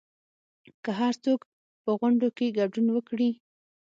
که هرڅوک په غونډو کې ګډون وکړي